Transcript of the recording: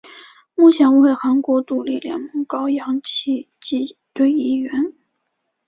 目前为韩国独立联盟高阳奇迹队一员。